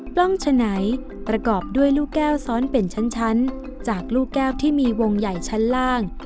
ล้องฉะไหนประกอบด้วยลูกแก้วซ้อนเป็นชั้นจากลูกแก้วที่มีวงใหญ่ชั้นล่าง